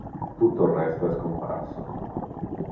Tutto il resto è scomparso.